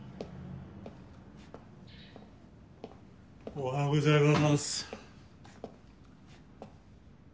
おはようございます。